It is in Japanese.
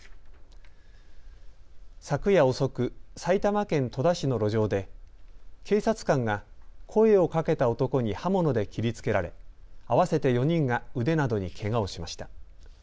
昨夜遅く、埼玉県戸田市の路上で警察官が声をかけた男に刃物で切りつけられ合わせて４人が腕などにけがをしました。